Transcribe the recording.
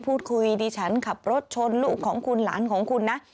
ดิฉันขับรถชนลูกของคุณหลานของคุณนะ